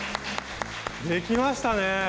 できましたね！